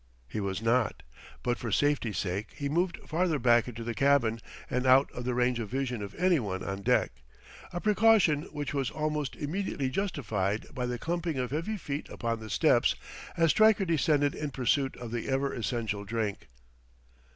He was not, but for safety's sake he moved farther back into the cabin and out of the range of vision of any one on deck; a precaution which was almost immediately justified by the clumping of heavy feet upon the steps as Stryker descended in pursuit of the ever essential drink.